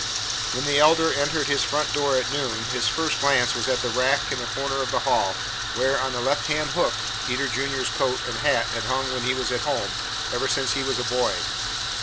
When the Elder entered his front door at noon, his first glance was at the rack in the corner of the hall, where, on the left hand hook, Peter Junior's coat and hat had hung when he was at home, ever since he was a boy.